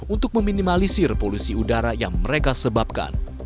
untuk meminimalisir polusi udara yang mereka sebabkan